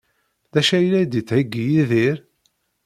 D acu ay la d-yettheyyi Yidir?